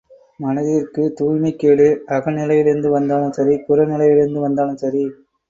மனத்திற்குத் தூய்மைக்கேடு அகநிலையிலிருந்து வந்தாலும் சரி, புற நிலையிலிருந்து வந்தாலும் சரி!